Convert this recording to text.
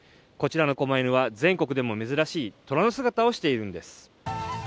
こちらのこま犬は全国でも珍しい虎の姿をしているんです。